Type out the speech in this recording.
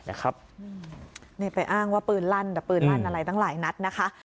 นี่ไปอ้างว่าปืนลั่นแต่ปืนลั่นอะไรตั้งหลายนัดนะคะ